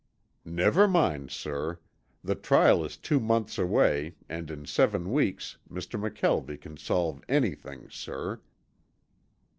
"Never mind, sir. The trial is two months away and in seven weeks Mr. McKelvie can solve anything, sir."